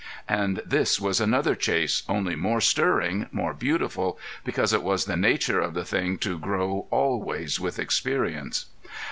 And this was another chase, only more stirring, more beautiful, because it was the nature of the thing to grow always with experience.